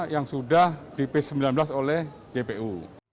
yang sudah di p sembilan belas oleh jpu